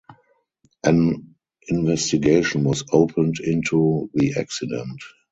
An investigation was opened into the accident.